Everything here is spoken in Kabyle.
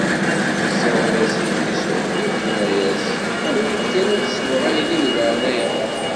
Tessawel-as i yelli-s n ugellid tenna-as: Awi-iyi-d kan ad sweɣ a yelli di leεnaya-m!"